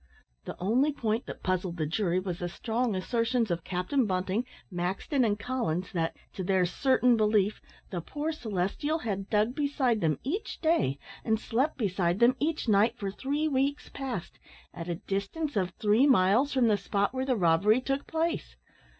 The only point that puzzled the jury was the strong assertions of Captain Bunting, Maxton, and Collins, that, to their certain belief, the poor Celestial had dug beside them each day, and slept beside them each night for three weeks past, at a distance of three miles from the spot where the robbery took place.